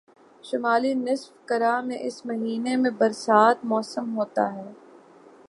شمالی نصف کرہ میں اس مہینے میں برسات کا موسم ہوتا ہے